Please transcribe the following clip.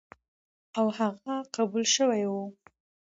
او هغه قبول شوی و،